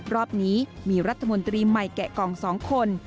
รอบนี้มีรัฐมนตรีใหม่แกะกล่อง๒คน